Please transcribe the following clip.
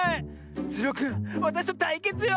ズルオくんわたしとたいけつよ！